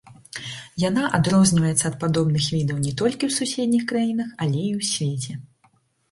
Яна адрозніваецца ад падобных відаў не толькі ў суседніх краінах, але і ў свеце.